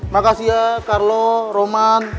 makasih ya carlo roman